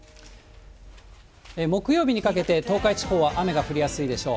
木曜日にかけて、東海地方は雨が降りやすいでしょう。